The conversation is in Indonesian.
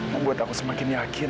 membuat aku semakin yakin